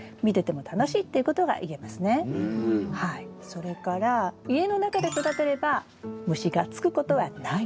それから家の中で育てれば虫がつくことはないんです。